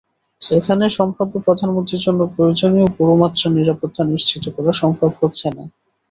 সেখানে সম্ভাব্য প্রধানমন্ত্রীর জন্য প্রয়োজনীয় পুরোমাত্রার নিরাপত্তা নিশ্চিত করা সম্ভব হচ্ছে না।